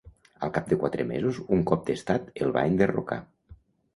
Al cap de quatre mesos un cop d'estat el va enderrocar.